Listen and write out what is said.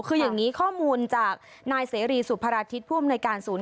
คืออย่างนี้ข้อมูลจากนายเสรีสุภาราทิศผู้อำนวยการศูนย์